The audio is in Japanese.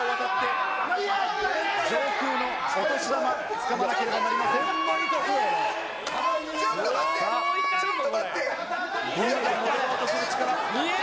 上空のお年玉、つかまなけれちょっと待って。